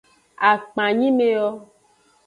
Akpanyime yo.